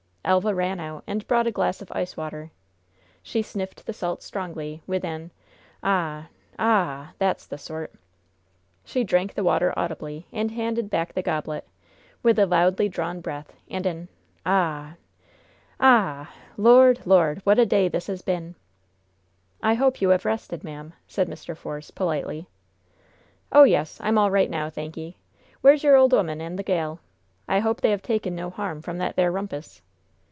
Elva ran out and brought a glass of ice water. She sniffed the salts strongly, with an: "Ah! Ah h! That's the sort!" She drank the water audibly, and handed back the goblet, with a loudly drawn breath and an: "Ah! Ah h! Lord, Lord, what a day this has been!" "I hope you have rested, ma'am," said Mr. Force, politely. "Oh, yes; I'm all right now, thanky'! Where's your old 'oman and the gal? I hope they have taken no harm from that there rumpus?"